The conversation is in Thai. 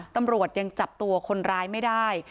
ตำรวจยังจับตัวคนร้ายไม่ได้